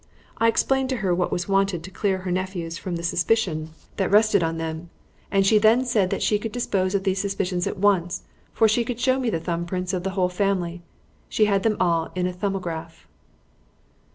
I explained to her what was wanted to clear her nephews from the suspicion that rested on them, and she then said that she could dispose of those suspicions at once, for she could show me the thumb prints of the whole family: she had them all in a 'Thumbograph.'"